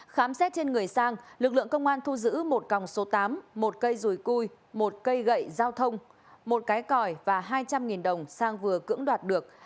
khám xét trên người sang lực lượng công an thu giữ một còng số tám một cây rùi cui một cây gậy giao thông một cái còi và hai trăm linh đồng sang vừa cưỡng đoạt được